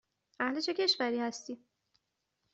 اهل چه کشوری هستی؟